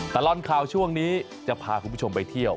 ตลอดข่าวช่วงนี้จะพาคุณผู้ชมไปเที่ยว